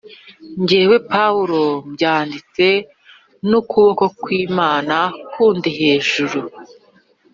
Jyewe Pawulo mbyanditse n ukuboko ku Imana kundi hejuru